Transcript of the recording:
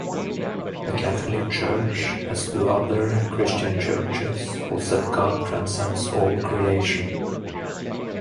The Catholic Church, as do other Christian Churches, holds that God transcends all creation.